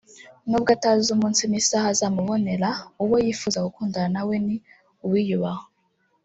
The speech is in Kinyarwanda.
nubwo atazi umunsi n’isaha azamubonera uwo yifuza gukundana na we ni uwiyubaha